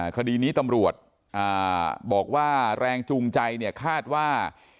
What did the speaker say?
คดีนี้ตำรวจบอกว่าแรงจูงใจเนี่ยคาดว่า